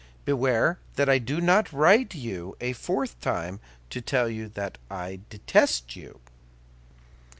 Beware that I do not write to you a fourth time to tell you that I detest you.